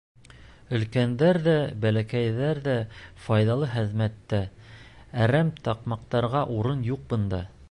Өлкәндәр ҙә, бәләкәйҙәр ҙә файҙалы хеҙмәттә, әрәм тамаҡтарға урын юҡ бында.